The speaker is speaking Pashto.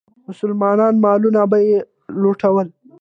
مسلمانانو مالونه به یې لوټل.